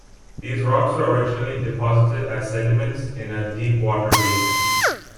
These rocks were originally deposited as sediments in a deep water basin.